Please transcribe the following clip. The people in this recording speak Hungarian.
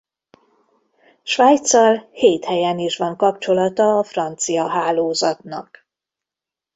Svájccal hét helyen is van kapcsolata a francia hálózatnak.